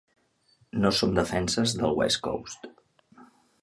No som defenses del West Coast.